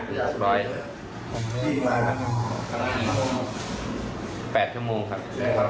ตรงนี้แปดชั่วโมงครับ